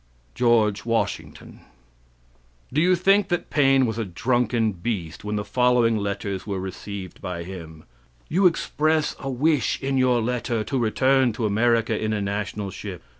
George Washington" Do you think that Paine was a drunken beast when the following letters were received by him: "You express a wish in your letter to return to America in a national ship.